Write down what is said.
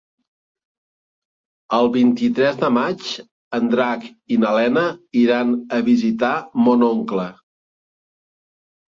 El vint-i-tres de maig en Drac i na Lena iran a visitar mon oncle.